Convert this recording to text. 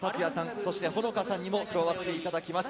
そして、ほのかさんにも加わっていただきます。